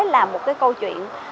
là một cái câu chuyện